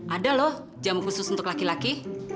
ada loh jam khusus untuk laki laki